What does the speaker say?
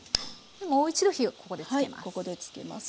もう一度火をここでつけます。